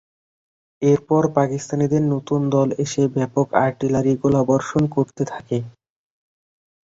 এরপর পাকিস্তানিদের নতুন দল এসে ব্যাপক আর্টিলারি গোলাবর্ষণ করতে থাকে।